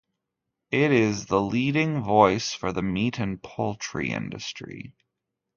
It is the leading voice for the meat and poultry industry.